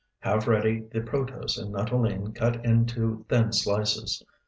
Have ready the protose and nuttolene cut into thin slices.